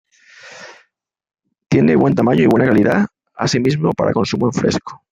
Tiene buen tamaño y buena calidad asi mismo para consumo en fresco.